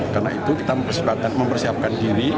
karena itu kita mempersiapkan diri